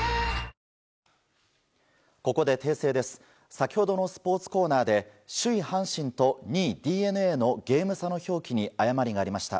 先ほどのスポーツコーナーで首位阪神と２位ＤｅＮＡのゲーム差の表記に誤りがありました。